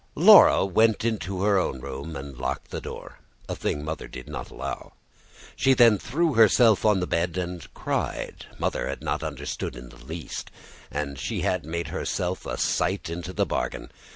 Laura went into her own room and locked the door, a thing Mother did not allow. Then she threw herself on the bed and cried. Mother had not understood in the least; and she had made herself a sight into the bargain.